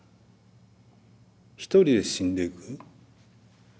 一人で死んでいく。